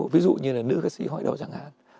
ví dụ như là nữ ca sĩ hỏi đó chẳng hạn